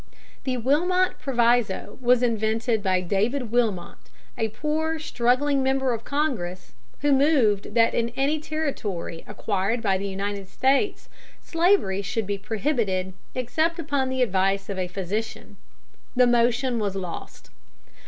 The Wilmot Proviso was invented by David Wilmot, a poor, struggling member of Congress, who moved that in any territory acquired by the United States slavery should be prohibited except upon the advice of a physician. The motion was lost.